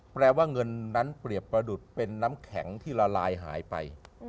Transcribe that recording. แปลว่าเงินนั้นเปรียบประดุษเป็นน้ำแข็งที่ละลายหายไป